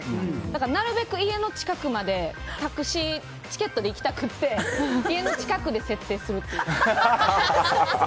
だからなるべく家の近くまでタクシーチケットで行きたくて家の近くで設定するっていう。